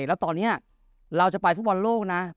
แล้วตอนนี้เราจะไปฟุตบอลโลกนะ